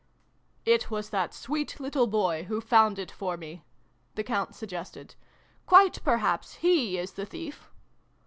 " It was that sweet little boy, who found it for me," the Count suggested. " Quite perhaps he is the thief